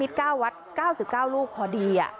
มีเก้าวัดเก้าสิบเก้าลูกพอดี